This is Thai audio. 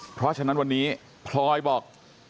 เพราะฉะนั้นวันนี้พลอยบอก